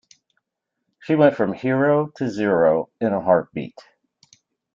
She went from hero to zero in a heartbeat.